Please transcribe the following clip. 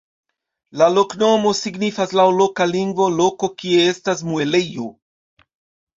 La loknomo signifas laŭ loka lingvo "loko kie estas muelejo".